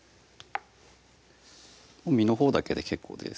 身のほうだけで結構です